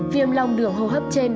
viêm lòng đường hô hấp trên